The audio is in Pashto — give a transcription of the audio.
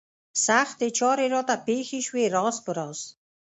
سختې چارې راته پېښې شوې راز په راز.